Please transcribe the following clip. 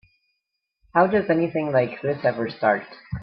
How does anything like this ever start?